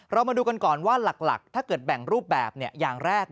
เรามาดูกันก่อนว่าหลักถ้าเกิดแบ่งรูปแบบอย่างแรก